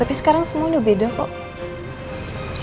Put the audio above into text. tapi sekarang semua udah beda kok